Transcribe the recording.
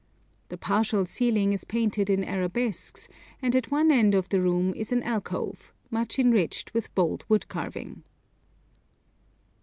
The partial ceiling is painted in arabesques, and at one end of the room is an alcove, much enriched with bold wood carving.